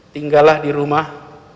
tinggallah di rumah